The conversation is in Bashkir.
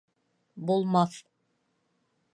Булмаҫ